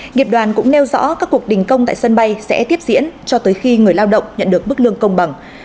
nghiệp đoàn cũng nêu rõ các cuộc đình công tại sân bay sẽ tiếp diễn cho tới khi người lao động nhận được mức lương công bằng